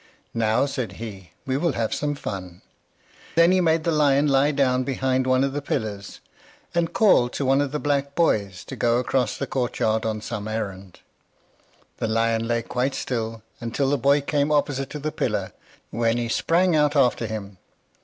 "Now," said he, "we will have some fun." He then made the lion lie down behind one of the pillars, and called to one of the black boys to go across the court yard on some errand. The lion lay quite still until the boy came opposite to the pillar, when he sprang out after him.